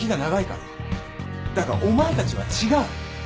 だがお前たちは違う。